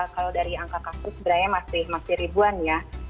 kalau dari angka kasus sebenarnya masih ribuan ya